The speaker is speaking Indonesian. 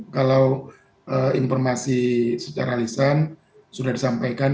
kalau informasi secara lisan sudah disampaikan